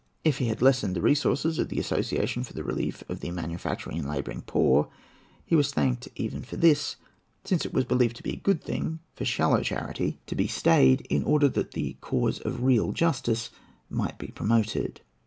If he had lessened the resources of the Association for the Belief of the Manufacturing and Labouring Poor, he was thanked even for this, since it was believed to be a good thing for shallow charity to be stayed, in order that the cause of real justice might be promoted.